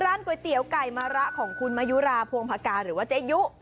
ร้านก๋วยเตี๋ยวไก่มะระของคุณมายุราพวงพากาหรือว่าเจ๊ยุ